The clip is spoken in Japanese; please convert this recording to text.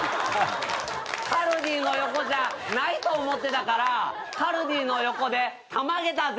カルディの横じゃないと思ってたからカルディの横でたまげたぜ。